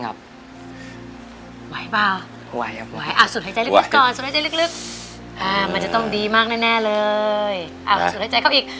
อ้าวสูญใจเข้าอีก